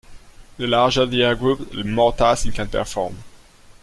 The larger the air group, the more tasks it can perform.